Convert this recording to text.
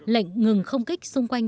lệnh ngừng không kích xung quanh